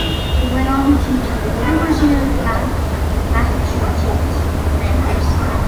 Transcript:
He went on to teach at the University of Massachusetts Amherst.